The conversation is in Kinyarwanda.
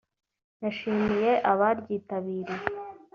yashimiye abaryitabiriye